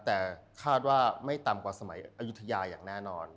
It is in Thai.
แต่คาดว่าไม่ต่ำกว่าสมัยอายุทยาอย่างแน่นอน